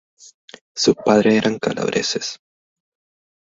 Sus padres eran calabreses.